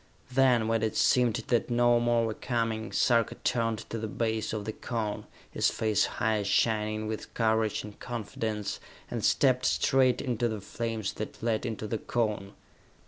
Then, when it seemed that no more were coming, Sarka turned to the base of the Cone, his face high shining with courage and confidence, and stepped straight into the flames that led into the Cone.